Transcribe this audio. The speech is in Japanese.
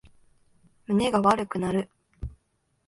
胸が悪くなる